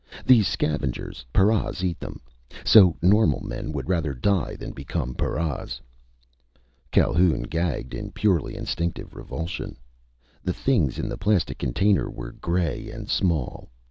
These scavengers paras eat them! So normal men would rather die than become paras!" Calhoun gagged in purely instinctive revulsion. The things in the plastic container were gray and small.